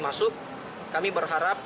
masuk kami berharap